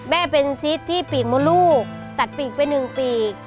แม่เป็นซิสที่ปีกมดลูกตัดปีกไปหนึ่งปีก